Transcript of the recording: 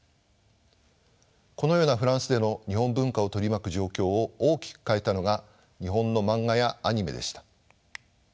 このようなフランスでの日本文化を取り巻く状況を大きく変えたのが日本の漫画やアニメでした。